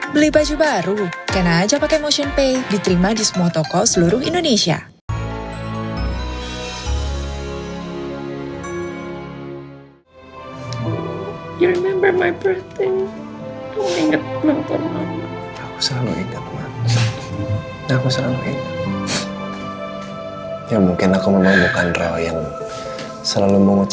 beli baju baru kena aja pake motionpay diterima di semua toko seluruh indonesia